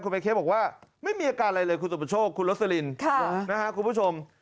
คุณแพนเช้อบอกว่าไม่มีอาการอะไรเลยคุณหลักษฎรินนะคะคุณผู้ชม